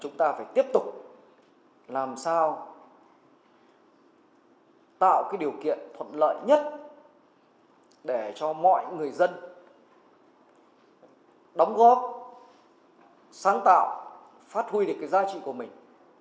chúng ta phải tiếp tục làm sao tạo cái điều kiện thuận lợi nhất để cho mọi người dân đóng góp sáng tạo phát huy được cái giá trị của mình